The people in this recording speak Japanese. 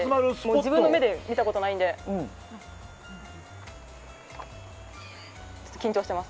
自分の目で見たことないので緊張しております。